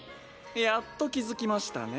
やっと気付きましたね。